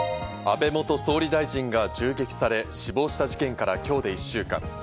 安倍元総理大臣が銃撃され死亡した事件から今日で１週間。